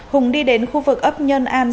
hùng đi đến khu vực ấp nhân an